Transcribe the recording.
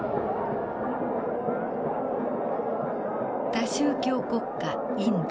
多宗教国家インド。